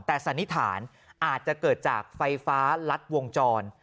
แต่สันนิษฐานอาจจะเกิดจากไฟฟ้ารัดวงจร